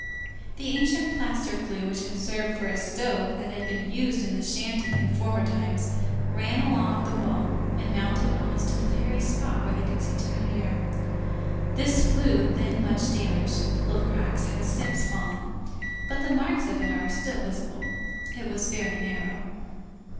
An ancient plaster flue, which had served for a stove that had been used in the shanty in former times, ran along the wall and mounted almost to the very spot where they could see Thénardier. This flue, then much damaged and full of cracks, has since fallen, but the marks of it are still visible. It was very narrow.